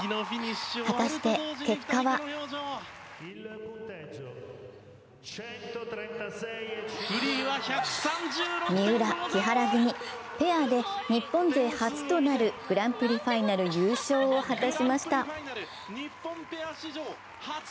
果たして結果は三浦・木原組、ペアで日本勢初となるグランプリファイナル優勝を果たしました。